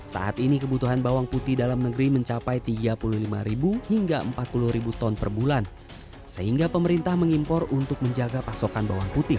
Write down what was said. saat ini kebutuhan bawang putih dalam negeri mencapai tiga puluh lima hingga empat puluh ton per bulan sehingga pemerintah mengimpor untuk menjaga pasokan bawang putih